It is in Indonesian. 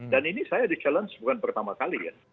dan ini saya di challenge bukan pertama kali ya